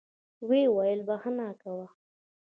ويې ويل بخښه کوه.